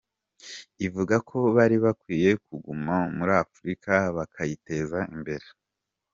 Ivuga ko bari bakwiye kuguma muri Afurika bakayiteza imbere.